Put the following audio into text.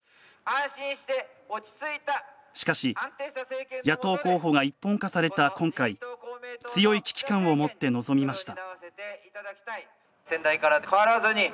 しかし、野党候補が一本化された今回強い危機感を持って臨みました。